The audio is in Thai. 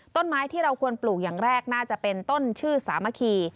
ต้นไม้ที่เราควรปลูกอย่างแรกน่าจะเป็นต้นชื่อสามัคคี